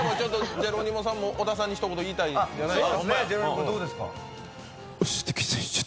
ジェロニモさんも小田さんにひと言言いたいんじゃないの？